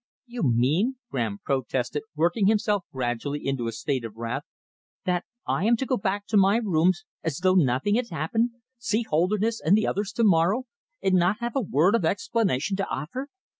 "You mean," Graham protested, working himself gradually into a state of wrath, "that I am to go back to my rooms as though nothing had happened, see Holderness and the others to morrow, and not have a word of explanation to offer?